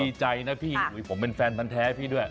ดีใจนะพี่อุ๋ยผมเป็นแฟนพันธ์แท้ให้พี่ด้วย